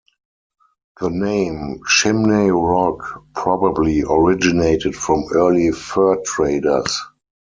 The name "Chimney Rock" probably originated from early fur traders.